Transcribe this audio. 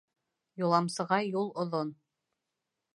Юламсыға юл оҙон